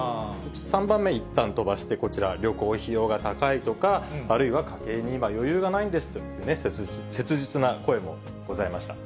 ３番目、いったん飛ばしてこちら、旅行費用が高いとか、あるいは家計に今、余裕がないんですといった切実な声もございました。